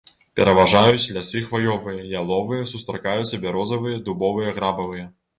Пераважаюць лясы хваёвыя, яловыя, сустракаюцца бярозавыя, дубовыя, грабавыя.